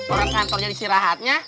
orang kantor jadi istirahatnya